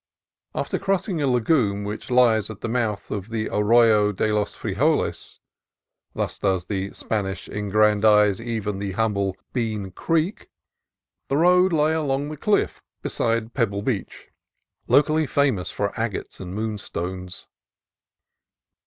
After crossing a la goon which lies at the mouth of the Arroyo de los Frijoles, — thus does the Spanish aggrandize even humble Bean Creek, — the road lay along the cliff beside Pebble Beach, locally famous for agates and moonstones.